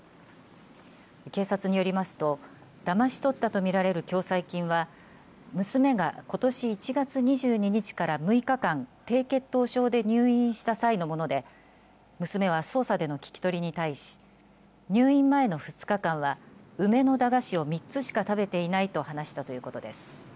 警察によりますとだまし取ったと見られる共済金は娘がことし１月２２日から６日間、低血糖症で入院した際のもので娘を捜査での聞き取りに対し入院前の２日間は梅の駄菓子を３つしか食べていないと話したということです。